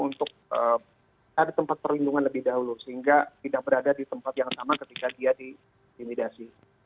untuk ada tempat perlindungan lebih dahulu sehingga tidak berada di tempat yang sama ketika dia ditimidasi